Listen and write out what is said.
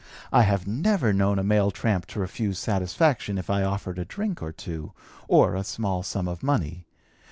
I have never known a male tramp to refuse satisfaction if I offered a drink or two, or a small sum of money.